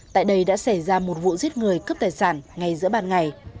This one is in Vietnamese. tại đây đã xảy ra một vụ giết người cướp tài sản ngay giữa ban ngày